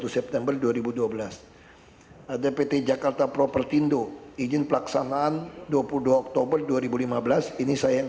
september dua ribu dua belas ada pt jakarta propertindo izin pelaksanaan dua puluh dua oktober dua ribu lima belas ini saya yang